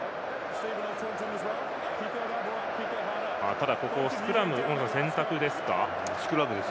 ただ、ここをスクラムを選択です。